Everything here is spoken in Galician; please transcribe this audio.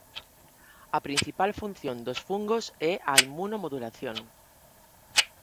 A principal función dos fungos é a inmunomodulación.